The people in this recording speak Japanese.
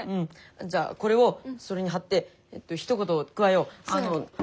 じゃあこれをそれに貼ってひと言加えよう。